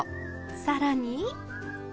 更に。